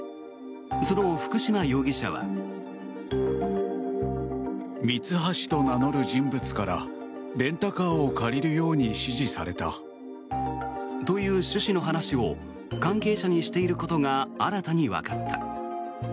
その福島容疑者は。という趣旨の話を関係者にしていることが新たにわかった。